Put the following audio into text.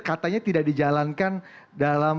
katanya tidak dijalankan dalam